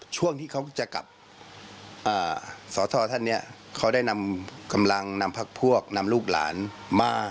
ช่วงที่เขาจะกลับสทท่านเนี่ยเขาได้นำกำลังนำพักพวกนำลูกหลานมา